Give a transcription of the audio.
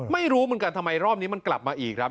ไม่รู้เหมือนกันทำไมรอบนี้มันกลับมาอีกครับ